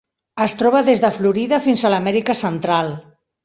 Es troba des de Florida fins a l'Amèrica Central.